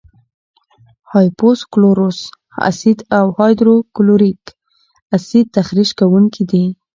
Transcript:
هایپو کلورس اسید او هایدروکلوریک اسید تخریش کوونکي دي.